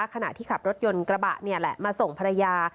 ขณะที่ขับรถยนต์กระบะนี่แหละมาส่งภรรยา